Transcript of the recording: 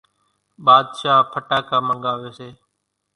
ٻاۮشاھ ڦٽاڪا منڳاوي سي،